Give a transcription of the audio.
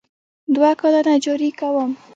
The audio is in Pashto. دوه کاله نجاري کوم.